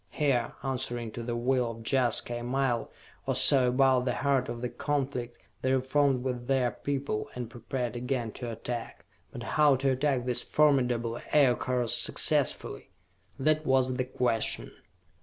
Here, answering to the will of Jaska, a mile or so above the heart of the conflict, they reformed with their people, and prepared again to attack. But how to attack these formidable Aircars successfully? That was the question.